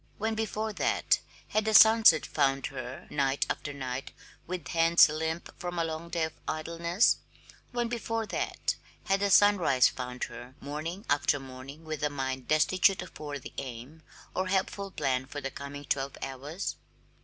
When before that had the sunset found her night after night with hands limp from a long day of idleness? When before that had the sunrise found her morning after morning with a mind destitute of worthy aim or helpful plan for the coming twelve hours?